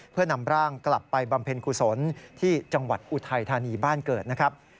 เพื่อนำร่างกลับไปบำเพ็ญกุศลที่จังหวัดอุทัยธานีบ้านเกิดนะครับ